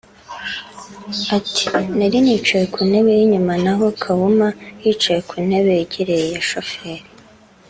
Ati “Nari nicaye ku ntebe y’inyuma n’aho Kawuma yicaye ku ntebe yegereye iya shoferi